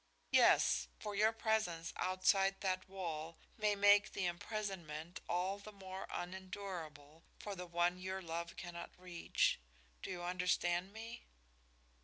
"Yes, for your presence outside that wall may make the imprisonment all the more unendurable for the one your love cannot reach. Do you understand me?"